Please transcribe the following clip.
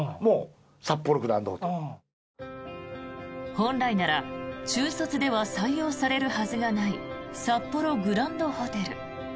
本来なら中卒では採用されるはずがない札幌グランドホテル。